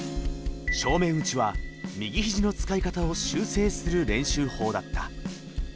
正面打ちは右肘の使い方を修正する練習法だった。